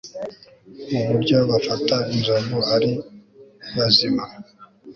nuburyo bafata inzovu ari bazima